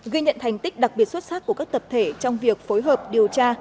ghi nhận thành tích đặc biệt xuất sắc của các tập thể trong việc phối hợp điều tra